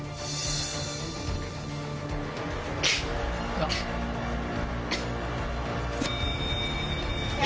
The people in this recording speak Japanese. あっ！